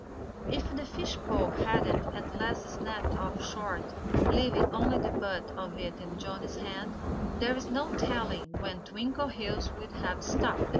If the fish pole hadn't at last snapped off short, leaving only the butt of it in Johnnie's hand, there's no telling when Twinkleheels would have stopped.